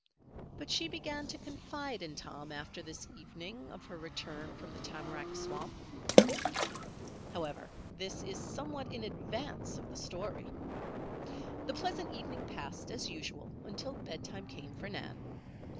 But she began to confide in Tom after this evening of her return from the tamarack swamp. However, this is somewhat in advance of the story. The pleasant evening passed as usual until bedtime came for Nan.